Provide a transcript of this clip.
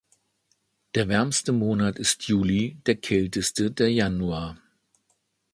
Der wärmste Monat ist Juli, der kälteste der Januar.